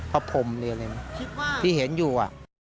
พระพรมนี่อะไรนะที่เห็นอยู่